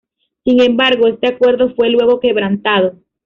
Sin embargo, este acuerdo fue luego quebrantado.